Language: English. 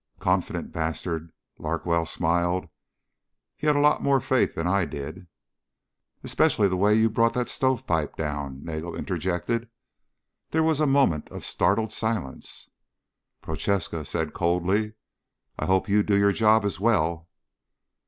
"Confident bastard." Larkwell smiled. "He had a lot more faith than I did." "Especially the way you brought that stovepipe down," Nagel interjected. There was a moment of startled silence. Prochaska said coldly. "I hope you do your job as well."